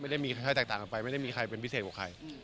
ไม่ได้มีใครแตกต่างกันไปไม่ได้มีใครเป็นพิเศษกว่าใคร